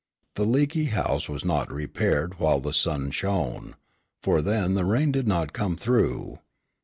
The leaky house was not repaired while the sun shone, for then the rain did not come through.